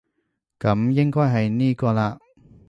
噉應該係呢個喇